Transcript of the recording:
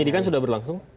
penyidikan sudah berlangsung